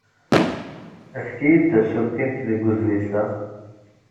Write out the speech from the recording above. Efk-iyi-d tasukint seg udlis-a.